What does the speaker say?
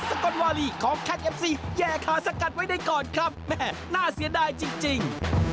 การสวดกลับของแคทเอฟซีแย่ขาสกัดไว้ได้ก่อนครับหน้าเสียดายจริง